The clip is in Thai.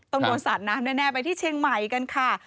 โดนสาดน้ำแน่ไปที่เชียงใหม่กันค่ะ